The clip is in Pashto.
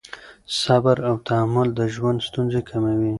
صبر او تحمل د ژوند ستونزې کموي.